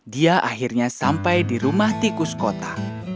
dia akhirnya sampai di rumah tikus kota